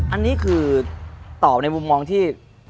อันนี้คือตอบในมุมมองที่